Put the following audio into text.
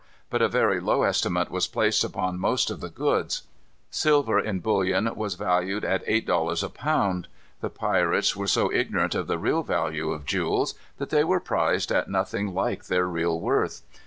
But a very low estimate was placed upon most of the goods. Silver in bullion was valued at eight dollars a pound. The pirates were so ignorant of the real value of jewels, that they were prized at nothing like their real worth.